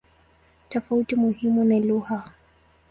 Tofauti muhimu ni lugha.